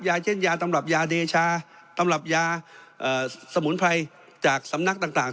เช่นยาตำรับยาเดชาตำรับยาสมุนไพรจากสำนักต่าง